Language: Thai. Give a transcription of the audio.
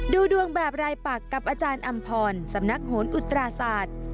ดูดวงแบบรายปักกับอาจารย์อำพรสำนักโหนอุตราศาสตร์